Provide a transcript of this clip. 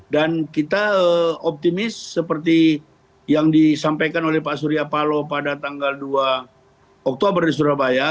dan kita optimis seperti yang disampaikan oleh pak surya palo pada tanggal dua oktober di surabaya